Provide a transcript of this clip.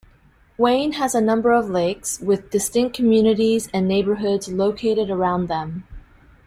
Wayne has a number of lakes, with distinct communities and neighborhoods located around them.